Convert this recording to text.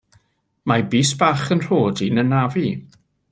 Mae bys bach 'yn nhroed i'n 'nafu.